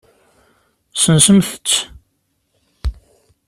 Sensemt-t.